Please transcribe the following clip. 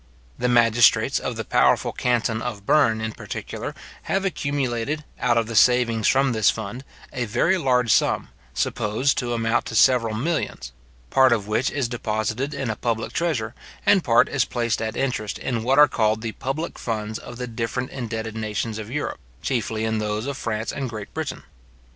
The magistrates of the powerful canton of Berne, in particular, have accumulated, out of the savings from this fund, a very large sum, supposed to amount to several millions; part of which is deposited in a public treasure, and part is placed at interest in what are called the public funds of the different indebted nations of Europe; chiefly in those of France and Great Britain.